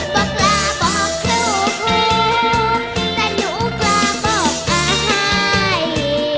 กล้าบอกครู่ครูแต่หนูกล้าบอกอาย